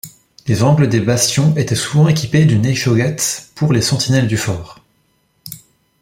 Les angles des bastions étaient souvent équipés d'une échauguette pour les sentinelles du fort.